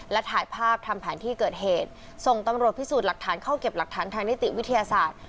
และถ่ายภาพทำแผนที่เกิดเหตุส่งตำรวจพิสูจน์หลักฐานเข้าเก็บหลักฐานทางนิติวิทยาศาสตร์